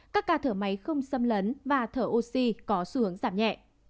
các ca thở máy không xâm lấn và thở oxy có xu hướng giảm nhẹ